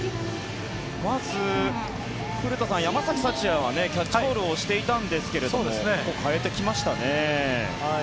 まず、古田さん山崎福也はキャッチボールをしていたんですけども代えてきましたね。